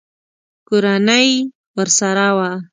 کورنۍ ورسره وه.